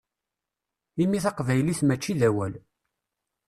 Imi taqbaylit mačči d awal.